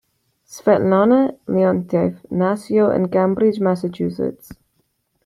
Svetlana Leontief nació en Cambridge, Massachusetts.